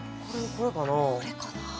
これかなあ。